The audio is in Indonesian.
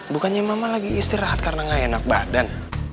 bukannya ma lagi istirahat karena enggak enak badan